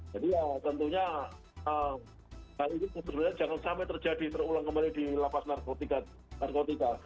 jadi ya tentunya hal ini sebenarnya jangan sampai terjadi terulang kembali di lapas narkotika